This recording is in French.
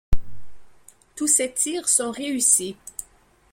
Tous ces tirs sont réussis.